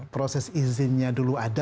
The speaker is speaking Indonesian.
proses izinnya dulu ada